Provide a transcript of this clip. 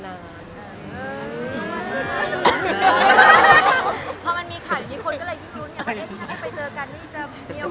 พอมันมีข่าวอยู่นี้คนก็เลยยิ่งรุ้นอยากว่าเอ๊ะที่นี่ไม่ได้ไปเจอกันนี่อีกจะเมียไหม